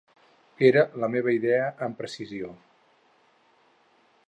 Era la meva idea amb precisió.